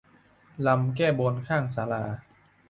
รำแก้บนข้างศาลา